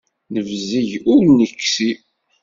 Nebzeg, ur neksi.